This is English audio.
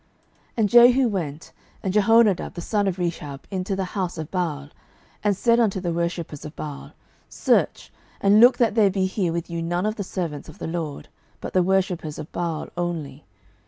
12:010:023 And Jehu went, and Jehonadab the son of Rechab, into the house of Baal, and said unto the worshippers of Baal, Search, and look that there be here with you none of the servants of the LORD, but the worshippers of Baal only.